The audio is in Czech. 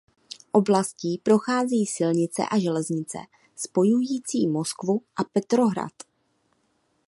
Oblastí prochází silnice a železnice spojující Moskvu a Petrohrad.